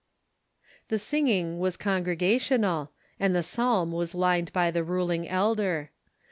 The singing was congregational, and the psalm was lined by the ruling elder.